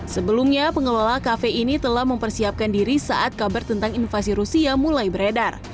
sebelumnya pengelola kafe ini telah mempersiapkan diri saat kabar tentang invasi rusia mulai beredar